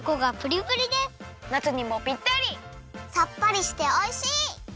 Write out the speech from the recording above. さっぱりしておいしい！